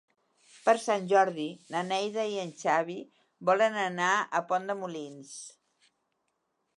Per Sant Jordi na Neida i en Xavi volen anar a Pont de Molins.